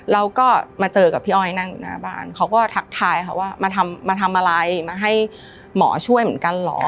เราก็มาเจอกับพี่อ้อยนั่งอยู่หน้าบ้านเขาก็ทักทายเขาว่ามาทำอะไรมาให้หมอช่วยเหมือนกันเหรอ